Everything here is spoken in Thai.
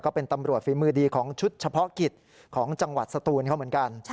ก็เป็นตำรวจฝีมือดีของชุดเฉพาะกิจของจังหวัดสตูนเขาเหมือนกัน